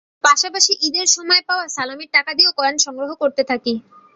পাশাপাশি ঈদের সময় পাওয়া সালামির টাকা দিয়েও কয়েন সংগ্রহ করতে থাকি।